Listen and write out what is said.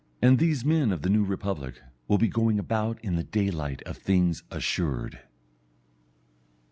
And these men of the New Republic will be going about in the daylight of things assured.